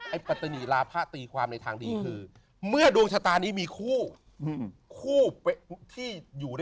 ปัตตานีลาพะตีความในทางดีคือเมื่อดวงชะตานี้มีคู่คู่ที่อยู่